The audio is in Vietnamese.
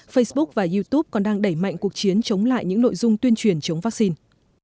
facebook và youtube còn đang đẩy mạnh cuộc chiến chống lại những nội dung tuyên truyền chống vaccine